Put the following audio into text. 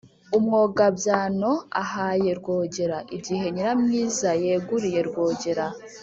umwogabyano ahaye rwogera: igihe nyiramwiza yeguriye rwogera